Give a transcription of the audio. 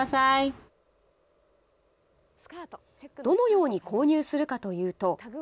どのように購入するかというと。